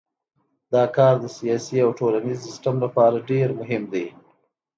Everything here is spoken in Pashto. دا کار د سیاسي او ټولنیز سیستم لپاره ډیر مهم دی.